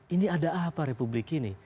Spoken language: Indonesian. ini ada apa republik ini